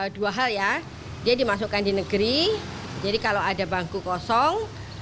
dua hal ya dia dimasukkan di negeri jadi kalau ada bangku kosong